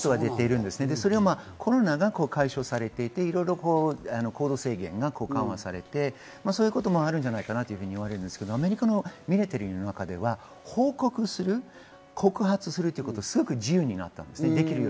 それはコロナが解消されていて、いろいろ行動制限が緩和されて、そういうこともあるんじゃないかと言われますが、アメリカのミリタリーの中では報告する、告発するということはすごく自由になりました。